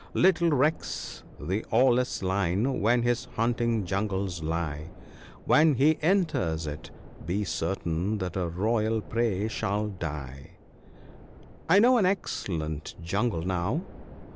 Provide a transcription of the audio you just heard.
Little recks the awless lion where his hunting jungles lie — When he enters it be certain that a royal prey shall die." ' I know an excellent jungle now.'